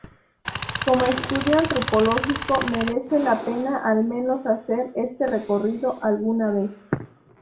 Como estudio antropológico merece la pena al menos hacer este recorrido alguna vez.